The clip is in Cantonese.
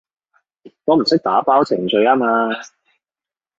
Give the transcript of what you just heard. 我唔識打包程序吖嘛